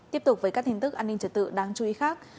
tiếp tục với các hình thức an ninh trật tự đáng chú ý khác